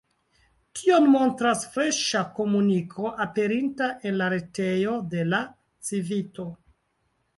Tion montras freŝa komuniko, aperinta en la retejo de la Civito.